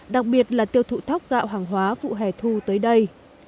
đặc biệt là tiêu thụ thóc gạo hàng hóa vụ hẻ thu tới đây